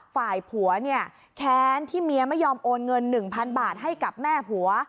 ฝ่ายผัวเนี่ยแค้นที่เมียไม่ยอมโอนเงิน๑๐๐๐บาทให้กับแม่ผัว